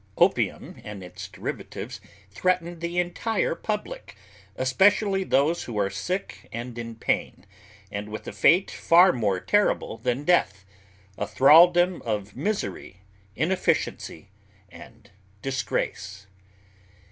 Opium and its derivatives threaten the entire public, especially those who are sick and in pain, and with a fate far more terrible than death a thraldom of misery, inefficiency, and disgrace.